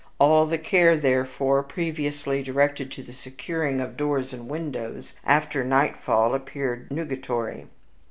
All the care, therefore, previously directed to the securing of doors and windows after nightfall appeared nugatory.